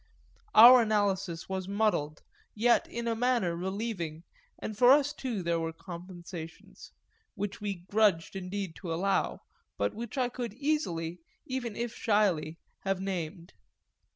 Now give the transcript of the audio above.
Our analysis was muddled, yet in a manner relieving, and for us too there were compensations, which we grudged indeed to allow, but which I could easily, even if shyly, have named.